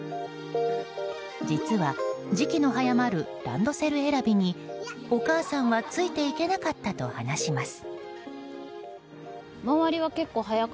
実は、時期の早まるランドセル選びにお母さんはついていけなかったと話します。